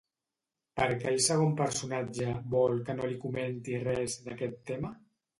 Per què el segon personatge vol que no li comenti res d'aquest tema?